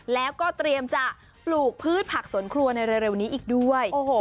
แล้วก็เตรียมจะปลูกพืชผักสวนครัวในเร็วนี้อีกด้วย